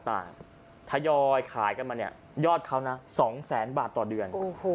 ต่างทยอยขายกันมาเนี่ยยอดเขานะ๒แสนบาทต่อเดือน